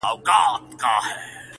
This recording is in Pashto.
نوي کورونه جوړ سوي دلته ډېر,